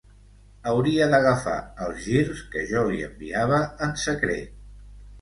Hauria d’agafar els girs que jo li enviava en secret.